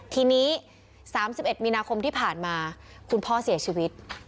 ทีนี้สามสิบเอ็ดมีนาคมที่ผ่านมาคุณพ่อเสียชีวิต